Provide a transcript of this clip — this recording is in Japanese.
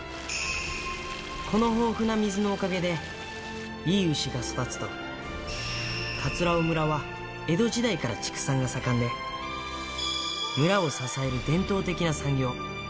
この豊富な水のおかげでいい牛が育つと、葛尾村は江戸時代から畜産が盛んで、村を支える伝統的な産業。